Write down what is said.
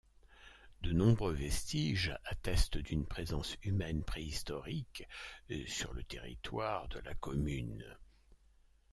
De nombreux vestiges attestent d'une présence humaine préhistorique sur le territoire de la commune.